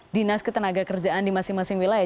dinas ketenagakerjaan di masing masing wilayah